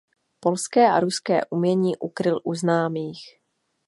Polské a ruské umění ukryl u známých.